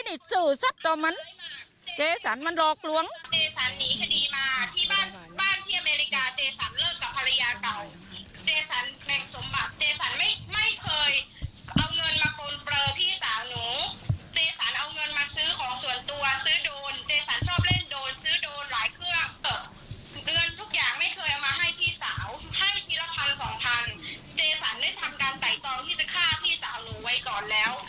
ให้ทีละพันสองพันเจสันเลยทำการใส่ตอบที่จะฆ่าพี่สาวหนูไว้ก่อนแล้ว